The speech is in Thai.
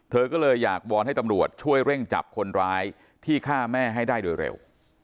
เธอก็เลยอยากวอนให้ตำรวจช่วยเร่งจับคนร้ายที่ฆ่าแม่ให้ได้โดยเร็ว